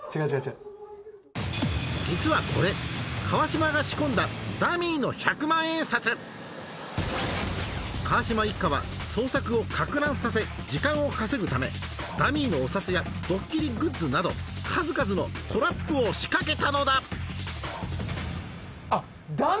実はこれ川島が仕込んだダミーの１００万円札川島一家は捜索を攪乱させ時間を稼ぐためダミーのお札やドッキリグッズなど数々のトラップを仕掛けたのだあっ。